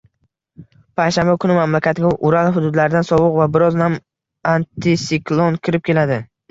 Payshanba kuni mamlakatga Ural hududlaridan sovuq va biroz nam antisiklon kirib keladi